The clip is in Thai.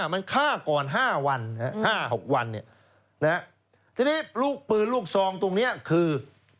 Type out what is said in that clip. มันฆ่าก่อน๕วัน๕๖วันเนี่ยนะครับทีนี้ลูกปืนลูกซองตรงเนี่ยคือ